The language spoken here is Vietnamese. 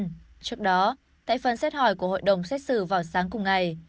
trước đó tại phần xét hỏi của hội đồng xét xử vào sáng cùng ngày